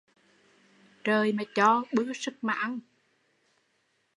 Trời mà cho, bưa sức mà ăn